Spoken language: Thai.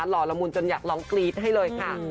ห่อละมุนจนอยากร้องกรี๊ดให้เลยค่ะ